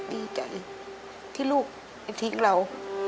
ดีใจที่ลูกไปทิ้งเรา